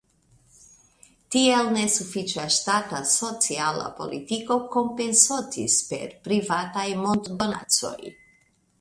Tial nesufiĉa ŝtata sociala politiko kompensotis per privataj monddonacoj.